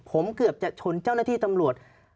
ผมเกือบจะชนเจ้าหน้าที่ตำรวจ